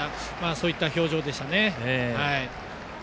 そういった表情でしたね。